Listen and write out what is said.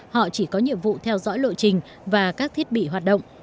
họ chỉ có nhiệm vụ theo dõi lộ trình và các thiết bị hoạt động